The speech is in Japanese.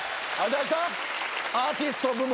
アーティスト部門。